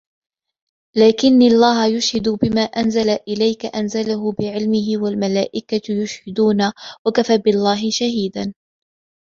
لَكِنِ اللَّهُ يَشْهَدُ بِمَا أَنْزَلَ إِلَيْكَ أَنْزَلَهُ بِعِلْمِهِ وَالْمَلَائِكَةُ يَشْهَدُونَ وَكَفَى بِاللَّهِ شَهِيدًا